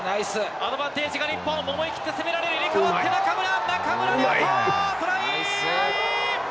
アドバンテージが日本、思い切って攻められる、中村、中村亮土、トライ！